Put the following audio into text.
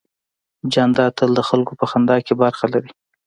جانداد تل د خلکو په خندا کې برخه لري.